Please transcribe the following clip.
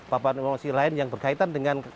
papa informasi lain yang berkaitan dengan